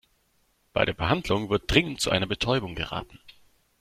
Bei der Behandlung wird dringend zu einer Betäubung geraten.